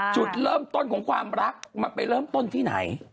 จุดเริ่มต้นของความรักมันไปเริ่มต้นที่ไหน